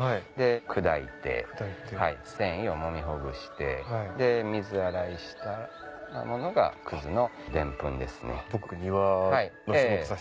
砕いて繊維をもみほぐして水洗いしたものがのデンプンですね。